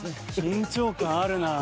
緊張感あるなぁ。